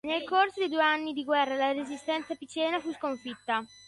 Nel corso dei due anni di guerra, la resistenza picena fu sconfitta.